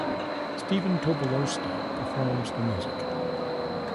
Stephen Tobolowsky performs the music.